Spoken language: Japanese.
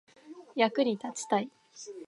役に立ちたい